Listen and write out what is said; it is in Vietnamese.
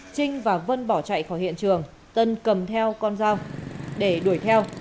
trinh và vân bỏ chạy khỏi hiện trường tân cầm theo con dao để đuổi theo